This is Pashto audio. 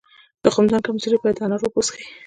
د تخمدان د کمزوری لپاره د انار اوبه وڅښئ